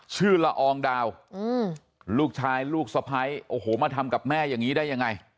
ละอองดาวลูกชายลูกสะพ้ายโอ้โหมาทำกับแม่อย่างนี้ได้ยังไง